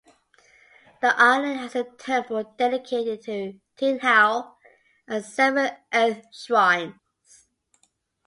The island has a temple dedicated to Tin Hau and seven earth shrines.